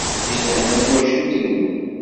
I lehna n twacult-nwen.